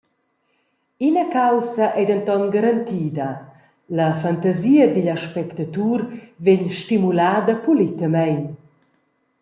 Ina caussa ei denton garantida: La fantasia digl aspectatur vegn stimulada pulitamein.